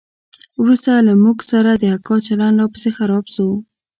وروسته له موږ سره د اکا چلند لا پسې خراب سو.